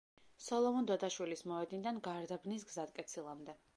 სოლომონ დოდაშვილის მოედნიდან გარდაბნის გზატკეცილამდე.